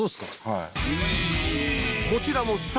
はい。